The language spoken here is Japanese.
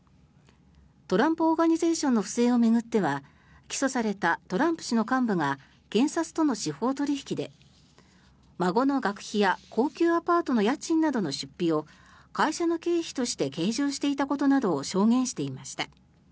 トランプ・オーガニゼーションの不正を巡っては起訴されたトランプ氏の幹部が検察との司法取引で孫の学費や高級アパートの家賃などの出費を会社の経費として計上していたことなどを証言していました。